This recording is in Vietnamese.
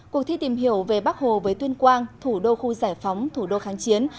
cuộc thi tìm hiểu về bắc hồ với tuyên quang thủ đô khu giải phóng thủ đô kháng chiến